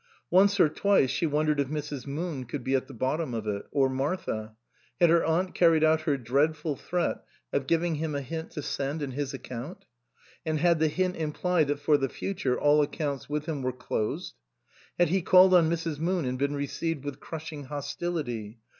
Once or twice she won dered if Mrs. Moon could be at the bottom of it or Martha. Had her aunt carried out her dreadful threat of giving him a hint to send in his account ? And had the hint implied that for the future all accounts with him were closed? Had he called on Mrs. Moon and been received with crushing hostility?